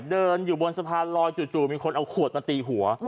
เดินอยู่บนสะพานลอยจู่มีคนเอาขวดมาตีหัว